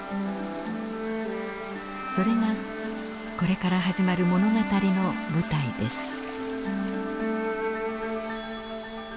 それがこれから始まる物語の舞台です。